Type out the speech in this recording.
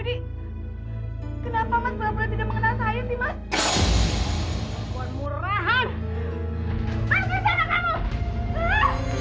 maksudnya kenapa masih tidak mengenal saya